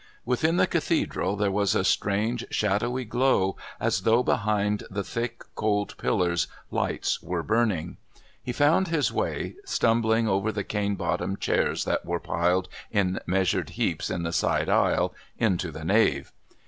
Within the Cathedral there was a strange shadowy glow as though behind the thick cold pillars lights were burning. He found his way, stumbling over the cane bottomed chairs that were piled in measured heaps in the side aisle, into the nave.